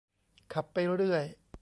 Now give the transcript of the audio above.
ขับไปเรื่อย